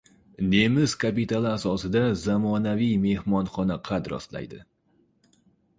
Nemis kapitali asosida zamonaviy mehmonxona qad rostlaydi